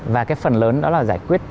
và cái phần lớn đó là giải quyết